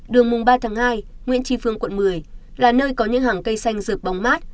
đường mùng ba tháng hai nguyễn tri phương quận một mươi là nơi có những hàng cây xanh rượt bóng mát